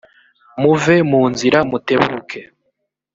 muve mu nzira mutebuke